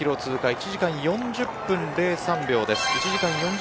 １時間４０分０３秒です。